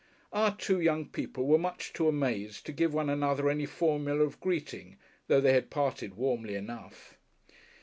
Our two young people were much too amazed to give one another any formula of greeting, though they had parted warmly enough.